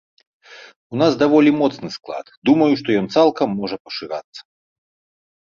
У нас даволі моцны склад, думаю, што ён цалкам можа пашырацца.